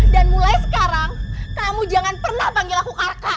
dan mulai sekarang kamu jangan pernah panggil aku kakak